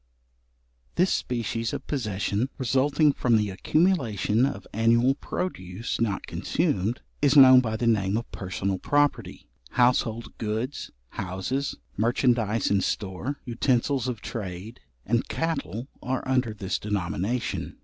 This species of possession, resulting from the accumulation of annual produce, not consumed, is known by the name of personal property. Household goods, houses, merchandize in store, utensils of trade, and cattle are under this denomination.